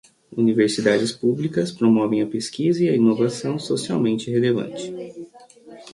Universidades públicas promovem a pesquisa e a inovação socialmente relevante.